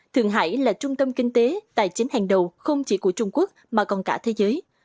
thượng hải là trung tâm kinh tế tài chính hàng đầu không chỉ của trung quốc mà còn cả thế giới